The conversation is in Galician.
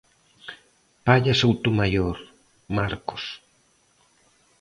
Palla Soutomaior, Marcos.